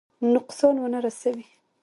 نقصان ونه رسوي.